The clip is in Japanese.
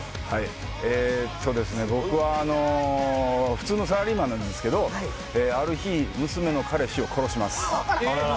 えーっとですね、僕は普通のサラリーマンなんですけど、ある日、娘の彼氏を殺します。